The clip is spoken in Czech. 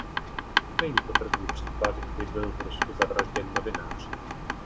Není to první případ, kdy byl v Rusku zavražděn novinář.